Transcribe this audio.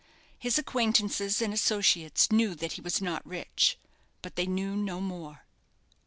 His acquaintances and associates knew that he was not rich; but they knew no more.